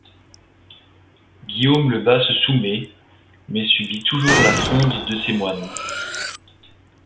Guillaume le Bas se soumet mais subit toujours la fronde de ses moines.